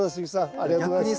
ありがとうございます。